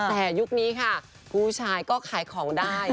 แต่ยุคนี้ค่ะผู้ชายก็ขายของได้